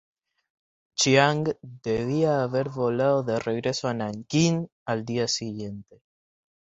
Chiang debía haber volado de regreso a Nankín al día siguiente.